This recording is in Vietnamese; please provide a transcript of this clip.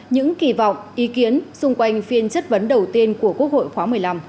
những kỳ vọng ý kiến xung quanh phiên chất vấn đầu tiên của quốc hội khóa một mươi năm